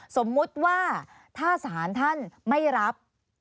สมมุติว่าถ้าศาลท่านไม่รับ